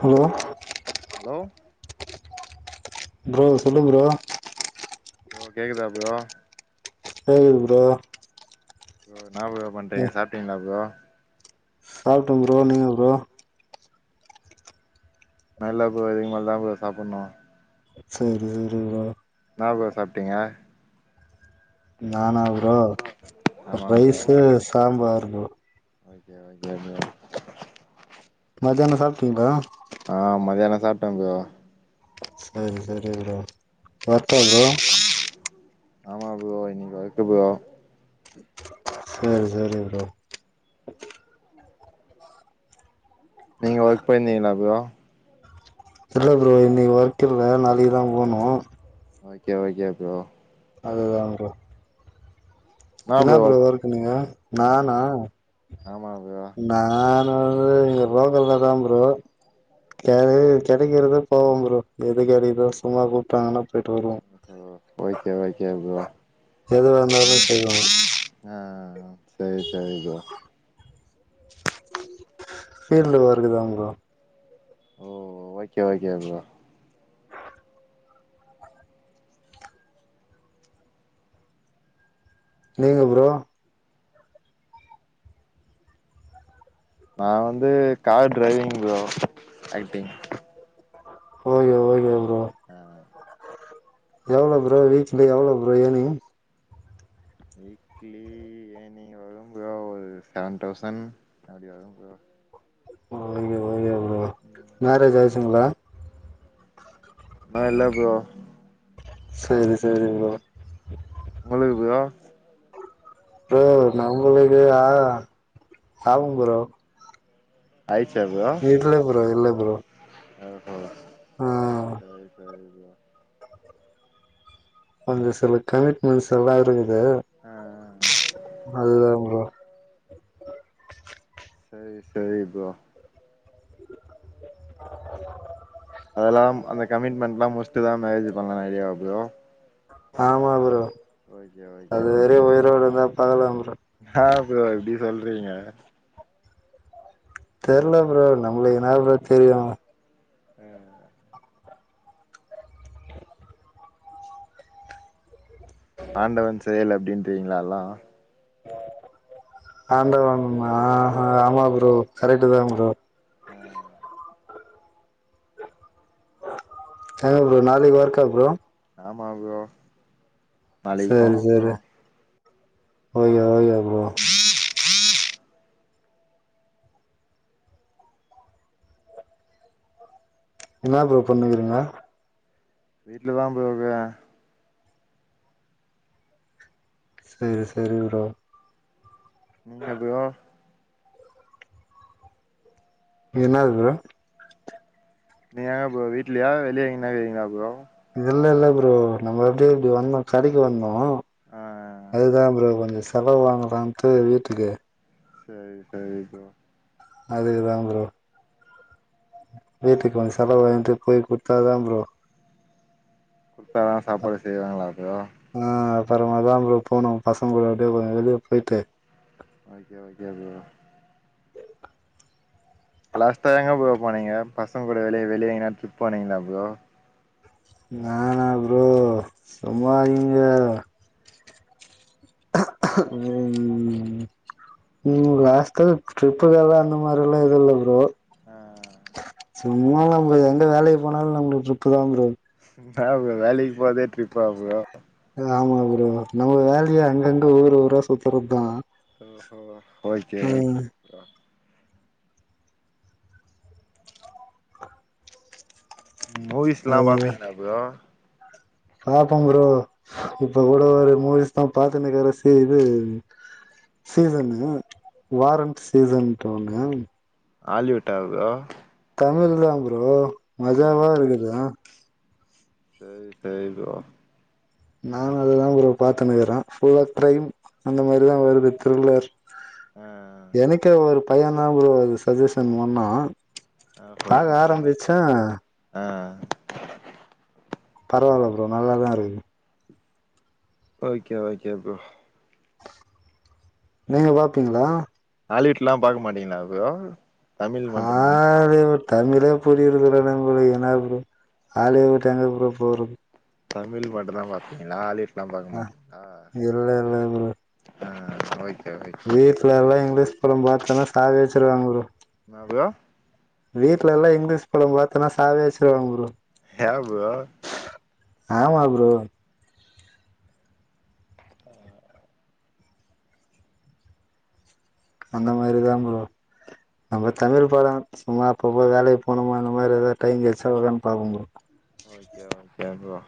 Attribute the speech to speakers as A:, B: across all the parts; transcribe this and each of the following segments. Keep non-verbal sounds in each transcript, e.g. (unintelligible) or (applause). A: Hello
B: hello
A: bro சொல்லு bro
B: bro கேக்குதா bro
A: கேக்குது ப்ரோ
B: (unintelligible) என்னா ப்ரோ பண்றீங்க சாப்ட்டீங்களா ப்ரோ?
A: சாப்டம் ப்ரோ நீங்க ப்ரோ?
B: நா இல்ல ப்ரோ இனிமெல்தா ப்ரொ சாப்புன்னு
A: சேரி சேரி ப்ரோ
B: என்னா ப்ரோ சாப்டீங்க?
A: நானா ப்ரோ
B: ஆமா bro
A: rice sambar (inaudible)
B: okay okay bro
A: மதியான சாப்டீங்ளா?
B: ஆ மதியான சாப்டெம் ப்ரோ
A: சேரி செரி ப்ரோ வர்க்கா ப்ரோ
B: ஆமா ப்ரோ இன்னக்கி வர்க்கு ப்ரோ
A: சேரி சேரி ப்ரோ
B: நீங்க ஒர்க் போயிர்ந்திங்களா ப்ரோ ஆ
A: இல்ல ப்ரோ இன்னகி ஒர்க் இல்ல நாளகிதா போனு
B: ஓகே ஓகே ப்ரோ
A: அதுதா அற என்னா ப்ரோ இருக்கு நீங்க நானா
B: ஆமா ப்ரோ
A: நா (inaudible) ரோக தா ப்ரோ கெடக்கிறத போவோ ப்ரோ எது கெடக்குதோ சும்மா கூப்ட்டாங்கன்னா போய்ட்டு வருவோ
B: ஓகே ஓகே ப்ரோ
A: எது வேன்னாலு செய்வாங்க
B: ஆ சேரி சேரி ப்ரோ
A: சேர்ந்து வருகுதா ப்ரோ
B: ஓ ஓகே ஓகே ப்ரோ
A: நீங்க ப்ரோ
B: நா வந்து car driving bro acting
A: okay okay bro
B: ஆ
A: எவ்ளோ ப்ரோ வீக்லி எவ்ளோ ப்ரோ ஏனிங்
B: வீக்லி ஏர்நிங் வரு ப்ரோ ஒரு செவன் தௌசண் அப்டி வரு bro
A: okay okay bro marriage ஆய்ச்சீங்களா
B: அ இல்ல ப்ரோ
A: சேரி சேரி ப்ரோ
B: உங்களுக் ப்ரோ
A: ப்ரோ நம்பளுக்கு ஆ ஆவு ப்ரோ
B: ஆயிச்சா
A: இட்ல்ல ப்ரோ இல்ல ப்ரோ
B: ஹ...
A: ஆ
B: இயா
A: வந்து சில கமிட்மெண்ட்ஸ்லா இருக்கு து
B: ஆ ஆ
A: அதுதா ப்ரோ
B: சரி சரி ப்ரோ
A: ஹ
B: அதெல்லாம் அந்த கமிட்மெண்ட் லாம் முடிச் இப்பத மேரேஜ் பண்ணலா ஐடியா லோ
A: ஆமாபுரோ அது வரை உயிரோ இருந் பாகலாம்
B: ஹா ப்ரோ இப்டி சொல்றீக
A: தெர்ல ப்ரோ நம்ளுக்கு என்னா ப்ரோ தெரியு
B: அ ஆண்டவன் செயல் அப்டின் ப்டிகள லா
A: அ ஆண்டவ மா ஆமா ஃப்ரோ கரெக்ட்டு தா ஃப்ரோ.
B: அ
A: அதா ப்ரோ நாளைக் ஒர்க்கா ப்ரோ.
B: ஆமா ப்ரோ நாளைக் பாப் ப்ரோ
A: (inaudible) ஓ ன்ன ப்ரோ பண்ணுக்குறீங்க
B: வீட்லதா ப்ரோ க்க
A: சரி சரி ப்ரோ
B: எங்க ப்ரோ
A: ஏன்னது ப்ரோ
B: நீங்க எங்க ப்ரோ வீட்லயா வெளியே எங்கனா இருக்கீங்ளா ப்ரோ
A: இல்ல இல்ல ப்ரோ நம்ம எப்டிய இப்டி வந்தோம் கடைக்கு வந்தோம்
B: ஆ ஆ
A: அதுதா ப்ரோ கொஞ்ச செலவு வாங்கலான்ட்டு வீட்டுக்கு
B: சரி சரி ப்ரோ
A: அதுக்கு தா ப்ரோ வீட்டுக்கு கொஞ்ச செலவு வண்ட்டு போய் குத்தா தா ப்ரோ.
B: குத்த தா சாப்பாடு செய்வாங்களா ப்ரோ
A: ஆ அப்பறமா தா ப்ரோ போனோம் பசங்க கூட அப்டியே கொஞ்ச வெளியே போயிட்டு
B: ஓகே ஓகே ப்ரோ லாஸ்ட்டா எங்க ப்ரோ போனீங்க பசங்கூட வெளிய வெளிய எங்கனா ட்ரிப் போனீங்களா ப்ரோ
A: நானா ப்ரோ சும்மா நீங்க வேற ம்ம்ம்...... ம் லாஸ்ட்டா ட்ரிப்பு வேல அந்த மாரி லா இல்ல லா ப்ரோ
B: ஆ
A: சும்மா நம்ப எந்த வேலைக் போனாலு நம்பளுக்கு ட்ரிப்பு தா ப்ரோ.
B: அஹ வேலைக்கு போறதே ட்ரிப்பா ப்ரோ
A: ஆமா ப்ரோ நம்ம வேலையே அங்கங்கே ஊர் ஊர சுத்துறது தா
B: ஓஹோ ஓகே ஓகே ப்ரோ மூவிஸ் லா பாப்பிங்கலா ப்ரோ
A: பாப்பம் ப்ரோ இப்ப கூட ஒரு மூவிஸ் தா பாத்துன்னக்கர சி இது சீசனு வாரண்ட் சீசன்ட் ஒண்ணு.
B: ஆலிவிட்டா ப்ரோ
A: தமிழ் தா ப்ரோ
B: ஆ
A: மஜாவா இருக்குதா
B: சரி சரி ப்ரோ
A: நானும் அதாதா ப்ரொ பாத்துனுக்கறே ஃபுல்லா க்ரைம் அந்த மாரி தா வருது த்ரில்லர்.
B: ஆ
A: எனக்கே ஒரு பு பையனா ப்ரோ அது சஜஷன் ஒன்னா.
B: ஆ ப்ரோ (inaudible) ஆ
A: பரவால்ல ப்ரோ நல்லாதா இருக்கு
B: ஓகே ஓகே ப்ரோ
A: நீங்க பாப்பீங்களா?
B: ஆலிவிட்லா பாக்க மாட்டிங்ளா ப்ரோ? தமிழ் மட்டுந்தானா
A: ஹாலிவுட் தமிழே புரியருதுல நம்ளுகு என்னா ப்ரோ ஹாலிவுட் எங்க ப்ரோ போறது
B: தமிழ் மட்டுதா பாப்பிங்களா ஹாலி
A: அ இல்ல இல்ல ப்ரோ
B: ஆ ஓ
A: வீட்லல்லா இங்கிலீஷ் படம் பாத்தன்னா சாகடிச்சிருவாங்க ப்ரோ
B: ப்ரோ
A: வீட்லல்லா இங்கிலீஷ் படம் பாத்தனா சாகவெஅச்சிருவாங்க ப்ரோ
B: ஏ ‌ப்ரோ
A: ஆமா ப்ரோ அந்த மாரிதா ப்ரோ நம்ம தமிழ் பட சும்மா அப்பப்ப வேலைக் போனமா அந்த மாரி எதா டைம் கெட்ச்சா ஒக்காந்து பாப்பம் ப்ரோ
B: ஓகே ஓகே ப்ரோ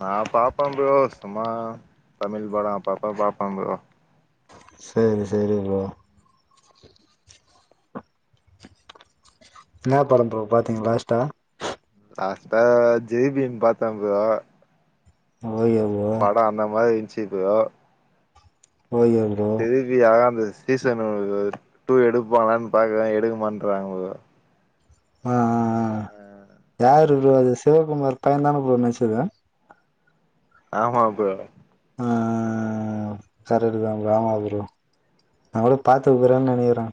B: நா பாப்பம் ப்ரோ சும்மா தமிழ் படொ அப்பப்ப பாப்பம் ப்ரோ
A: சேரி சேரி ப்ரோ என்னா படம் ப்ரோ பாத்தீங்க லாஸ்டா
B: லாஸ்ட்டா ஜெய்பீம் பாத்தெ ப்ரோ
A: ஓகே ப்ரோ
B: படொ அந்த மாரின் ச்சி bro
A: okay bro
B: (unintelligible) அழகார்ந்தது season two எடுப்பாங்களான் பாக்குறெ எடுக்க மாட்றாங்க ப்ரோ
A: ஆ ஆ அ யார் ரு ப்ரோ அது சிவகுமார் பையந்தான ப்ரோ நச்சத
B: ஆமா ப்ரோ
A: ஆ கரடுதா ப்ரோ ஆமா ப்ரோ நா கூட பாத்து (unintelligible) நனகிறே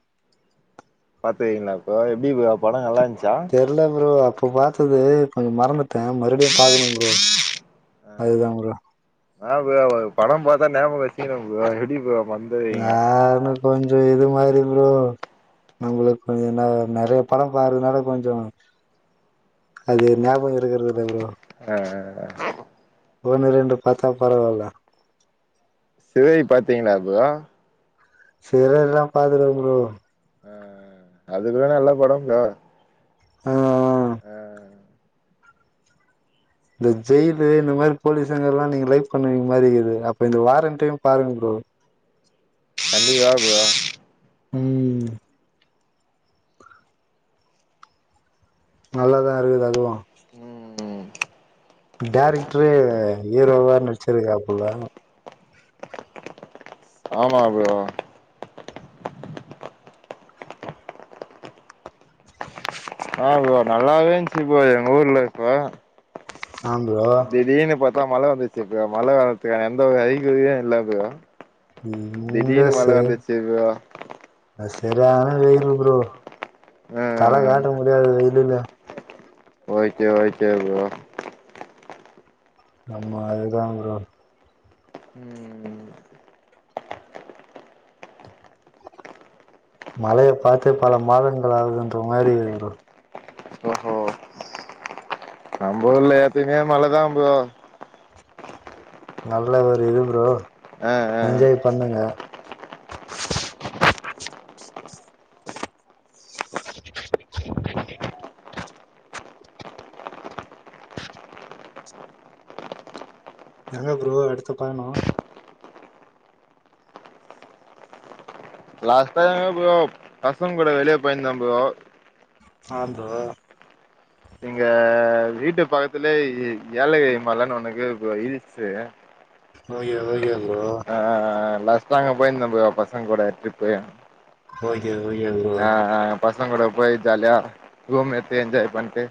B: பாத்தீங்களா இப்ப எப்டி ப்ரோ பட நல்லா இருன்
A: தெர்ல ப்ரோ அ ப்ப பாத்தது கொஞ்ச மறந்துட்டே மறுப்டியு பாக்கணு ப்ரோ அதுதா ப்ரோ
B: நா ப்ரோ ஒ‌ படம் பாத்தா ஞாபக வச்சிக்கணு ப்ரோ எப்டி ப்ரோ மறந்துருவீங்க
A: நானு கொஞ்ச இது மாதிரி ப்ரோ நம்மளுக் கொஞ்சொ ந நறைய படம் பாகுறதுனால கொஞ்சொ அது ஞாபக இருகுறதில்ல ப்ரோ
B: அ‌‌ அ அ‌
A: ஒன்னு ரெண்டு பாத்தா பரவால்ல
B: சிறை‌ பாத்தீங்களா ப்ரோ?
A: சிறல்லா பாக்கல ப்ரோ
B: ஆ அதுக்குட நல்ல படம் தா
A: ஆ
B: அஅஅ
A: இந்த ஜெயிலு இந்த மாரி போலீசங்க எல்லா நீங்க லைக் பண்ணுவீங்களா அப்ப இந்த வாரண்ட்டைம் பாருங்க ஃப்ரோ
B: (unintelligible)
A: ம் நல்லாதா இருக்குது அதுவா
B: ம் ம்
A: டேரெக்ட்ரே ஹீரோவா நடுச்சுருக்காப்பல்ல
B: ஆமா ஃப்ரோ ஆமா ஃப்ரோ நல்லாவே இருந்துச்சு எங்க ஊர்ல இப்ப
A: ஆந்தராவா
B: க மழ வந்துருச்சு ஃப்ரோ மழ வர்றதுக்கான எந்த அரிகுரியு இல்ல ஃப்ரோ
A: இங்க
B: திடீர்னு மழ வந்துருச்சு ஃப்ரோ
A: இங்க செரியான வெயிலு ஃப்ரோ தல
B: ம்
A: காட்ட முடியாது வெயிலுல்ல
B: ஓகே ஓகே ஃப்ரோ
A: ஆமா அதுதா ஃப்ரோ
B: ம்
A: மழைய பாத்து பல மாதங்கள் ஆகுதுங் ஃப்ரோ ஒரு மாரி ஒரு
B: நம்ப ஊர்ல எப்பயுமே மழதாம் ஃப்ரோ
A: நல்ல ஒரு இது ஃப்ரோ
B: ஆ ஆ
A: என்ஜாய் பண்ணுங்க எங்க ஃப்ரோ அடுத்து பயணோ
B: லாஸ்ட்டு எங்க ஃப்ரோ பசங்க கூட வெளிய போயிருந்தம் ஃப்ரோ
A: ஆம் ஃப்ரோ
B: எங்க வீட்டு பக்கத்துலயே ஏலகிரி மலன் ஒனக்கு இருக்கு ஃப்ரோ ஹில்ஸ்சு
A: ஓகே ஓகே ஃப்
B: ஆ லாஸ் ட்டா நாங்க போயிருந்தோம் ஃப்ரோ பசங்க கூட ட்ரிப்பு
A: ஓய்
B: நா பசங் கூட போய் ஜாலியா ரூம் எடுத்து என்ஜாய் பண்ட்டு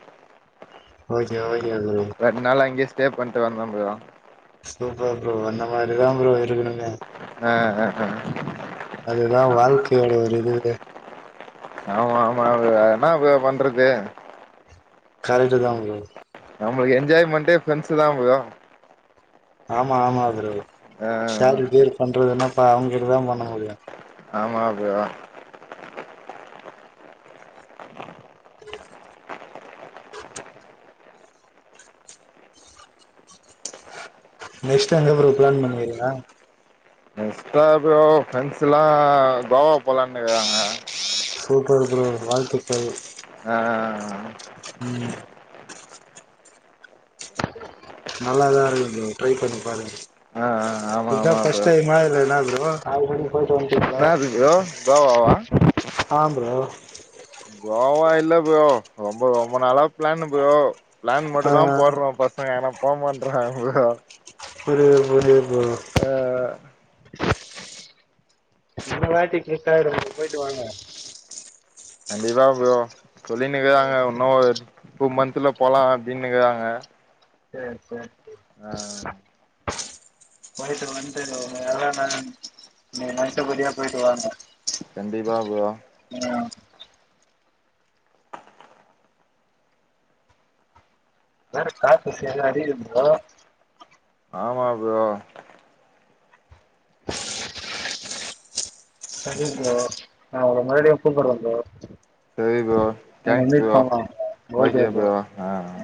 A: ஓகே ஓகே ப்ரோ
B: ரெண்டு நாள் அங்கயேஸ் ஸ்டே பண்ணிட்டு வந்தோம் ஃப்ரோ
A: சூப்பர் ஃப்ரோ அந்த மாரிதா ஃப்ரோ இருக்கணுமே
B: அ அ அ
A: அதுதா வாழ்க்கையோட ஒரு இதுவே
B: ஆமா ஆமா அது என்ன ப பண்றது
A: கரெக்ட்டுதா ஃப்ரோ
B: நம்மளுக்கு என்ஜாய்மெண்ட்டே ஃப்ரெண்ட்ஸ்தா ப்ரோ
A: ஆமா ஆமா ப்ரோ
B: ஆ
A: ஷேரு கீரு பண்றதுன்னா ப்ப அவங்கிட்டதா பண்ண முடியு
B: ஆமா ப்ரோ
A: நெக்ஸ்ட்டு எங்க ப்ரோ பிளான் பண்ணிருக்கீங்ளா?
B: நெக்ஸ்டா ப்ரோ ஃப்ரெண்ட்ஸ் எல்லா கோவா போலான்னு இருக்குறாங்க
A: ஓகே ஓகே ப்ரோ வாழ்த்துக்கள்
B: ஆ
A: ம் நல்லாதா இருக்கு ப்ரோ ட்ரை பண்ணி பாருங்க
B: ஆ ஆ
A: இதா ஃபஸ்ட் டைமா இல்ல என்னா ப்ரோ இல்ல
B: என்ன என்னாது ப்ரோ கோவாவா?
A: ஆ ப்ரோ
B: கோவா இல்ல ப்ரோ ரொம்ப ரொம்ப நாளா பிளானு ப்ரோ பிளான்
A: ஆ
B: மட்டுந்தா போடுறோ பசங்க ஏன்னா போமாட்றாங்க ப்ரோ
A: புரியுது புரியுது ப்ரோ
B: ஆ
A: இந்த வாட்டி கிளிக் ஆயிடு ப்ரோ போயிட்டு வாங்க
B: கண்டிப்பா ப்ரோ சொல்லினு இருக்குறாங்க இன்னா ஒரு டூ மந்த்துல போலா அப்டின்னு இருக்கறாங்க
A: சேரி சேரி சேரி போயிட்டு வந்து ஆ எல்லா நல் நீங்க நென்ச்சபடியா போயிட்டு வாங்க
B: ஸ்யூரா ப்ரோ
A: ஆ வேற (unintelligible) அதிகோ ப்ரோ
B: ஆமா ப்ரோ
A: சரி ப்ரோ நா உங்களுக்கு மறுபடியு ஃபோன் பண்ற ப்ரோ
B: செரி bro thanks bro okay bro ஆ ஆ